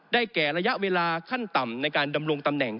แก่ระยะเวลาขั้นต่ำในการดำรงตำแหน่ง